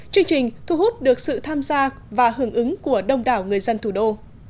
chương trình thu hút được sự tham gia và hưởng ứng của đông đảo người dân thủ đô